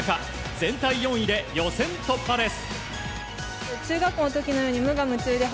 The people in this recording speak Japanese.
全体４位で予選突破です。